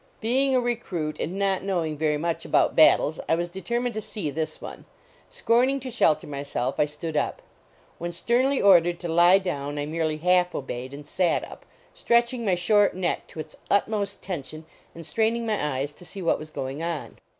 Being a recruit, and not knowing very much about battles, I was determined to see this one. Scorning to shelter myself, I stood up. When sternly ordered to lie down, I merely half obeyed and sat up, stretching my short neck to its utmost tension and straining my eyes to see what was going on.